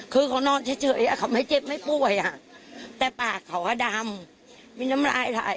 คือเขานอนเฉยเขาไม่เจ็บไม่ป่วยอ่ะแต่ปากเขาดำมีน้ำลายไหล